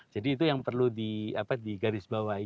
jadi itu yang perlu di garis bawah